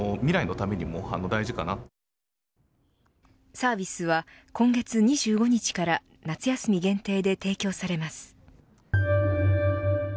サービスは、今月２５日から夏休み限定で提供されます。